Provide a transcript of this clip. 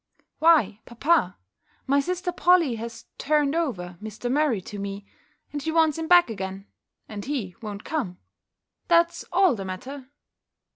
"Why, papa, my sister Polly has turned over Mr. Murray to me, and she wants him back again, and he won't come That's all the matter!"